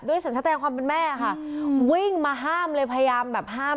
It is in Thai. ด้วยสัญญาณความเป็นแม่ค่ะวิ่งมาห้ามเลยประหยามแบบห้าม